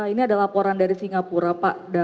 ini ada laporan dari singapura pak